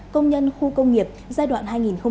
công nhân khu công nghiệp giai đoạn